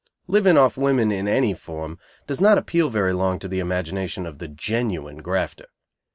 Living off women, in any form, does not appeal very long to the imagination of the genuine grafter.